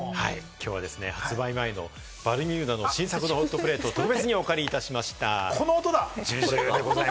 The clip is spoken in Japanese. きょうは発売前のバルミューダの新作のホットプレートをお借りしました。